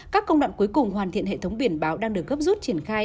các công đoạn cuối cùng hoàn thiện hệ thống biển báo đang được gấp rút triển khai